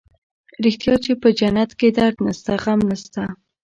رښتيا چې په جنت کښې درد نسته غم نسته.